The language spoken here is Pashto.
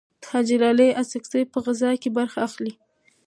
حاجي لالي اڅکزی په غزاکې برخه اخلي.